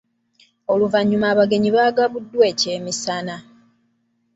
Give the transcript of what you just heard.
Oluvannyuma abagenyi bagabuddwa ekyemisana.